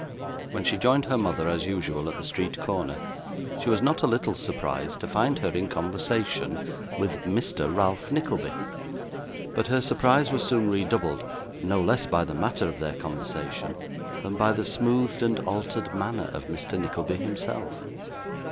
When she joined her mother, as usual, at the street corner, she was not a little surprised to find her in conversation with Mr. Ralph Nickleby; but her surprise was soon redoubled, no less by the matter of their conversation, than by the smoothed and altered manner of Mr. Nickleby himself.